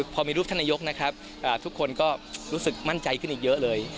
พอมีรูปท่านนายกนะครับทุกคนก็รู้สึกมั่นใจขึ้นอีกเยอะเลย